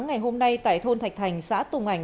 ngày hôm nay tại thôn thạch thành xã tùng ảnh